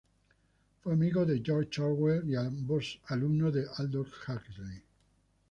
Fue amigo de George Orwell, y ambos, alumnos de Aldous Huxley.